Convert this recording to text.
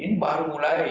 ini baru mulai